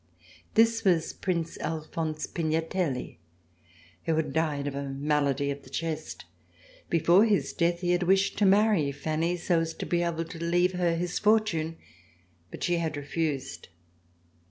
This was Prince Alphonse Pignatelli who had died of a malady of the chest. Before his death he had wished to marry Fanny so as to be able to leave her his fortune, but she had refused.